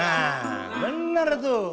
nah bener tuh